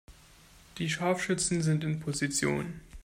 Die Scharfschützen sind in Position.